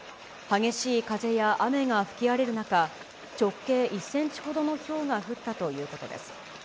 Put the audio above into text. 激しい風や雨が吹き荒れる中、直径１センチほどのひょうが降ったということです。